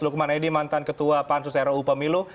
lukman edi mantan ketua pansus ruu pemilu